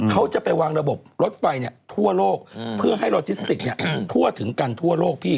เขาจะไปวางระบบรถไฟทั่วโลกเพื่อให้โลจิสติกทั่วถึงกันทั่วโลกพี่